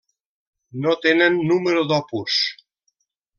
No tenen número d'opus.